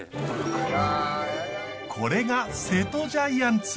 これが瀬戸ジャイアンツ。